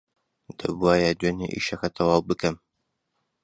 دەبووایە دوێنێ ئیشەکە تەواو بکەم.